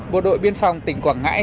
bộ đội biên phòng tỉnh quảng ngãi